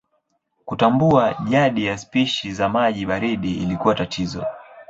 Kutambua jadi ya spishi za maji baridi ilikuwa tatizo.